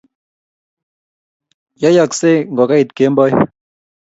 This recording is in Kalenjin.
yoyaksei ngogait kemboi